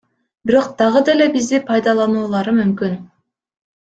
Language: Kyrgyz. Бирок дагы деле бизди пайдалануулары мүмкүн.